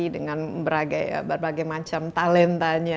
dengan berbagai macam talentanya